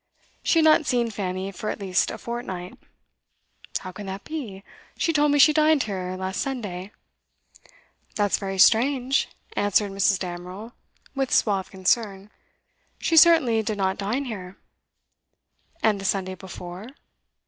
She had not seen Fanny for at least a fortnight. 'How can that be? She told me she dined here last Sunday.' 'That's very strange,' answered Mrs. Damerel, with suave concern. 'She certainly did not dine here.' 'And the Sunday before?